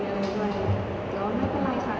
แล้วมันเป็นเรื่องไหนค่ะ